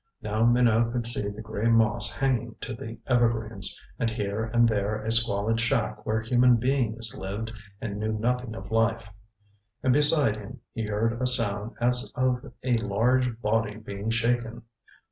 Now Minot could see the gray moss hanging to the evergreens, and here and there a squalid shack where human beings lived and knew nothing of life. And beside him he heard a sound as of a large body being shaken.